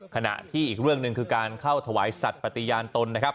ขณะที่อีกเรื่องหนึ่งคือการเข้าถวายสัตว์ปฏิญาณตนนะครับ